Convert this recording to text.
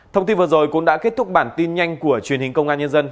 thông tin vừa rồi cũng đã kết thúc bản tin nhanh của truyền hình công an nhân dân